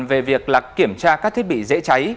về việc kiểm tra các thiết bị dễ cháy